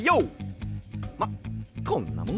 まっこんなもんかな。